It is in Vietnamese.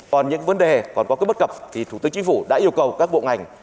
còn những vấn đề còn có các bất cập thì thủ tướng chính phủ đã yêu cầu các bộ ngành